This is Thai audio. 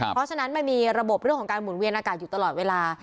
เพราะฉะนั้นมันมีระบบเรื่องของการหมุนเวียนอากาศอยู่ตลอดเวลา